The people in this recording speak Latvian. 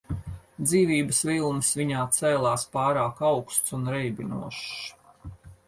Dzīvības vilnis viņā cēlās pārāk augsts un reibinošs.